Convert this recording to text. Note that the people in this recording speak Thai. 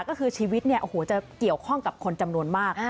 ก็คือชีวิตเนี่ยโอ้โหจะเกี่ยวข้องกับคนจำนวนมาก